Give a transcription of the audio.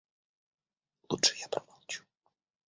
Лучше я промолчу.